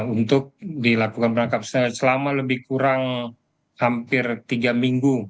untuk dilakukan penangkapan selama lebih kurang hampir tiga minggu